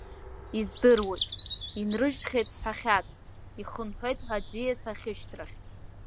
Издыруеит, инрыжьхьеит ҳәахьак, ихынҳәуеит ҳәа аӡиас ахьышьҭрахь.